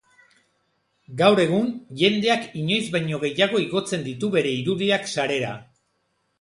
Gaur egun, jendeak inoiz baino gehiago igotzen ditu bere irudiak sarera.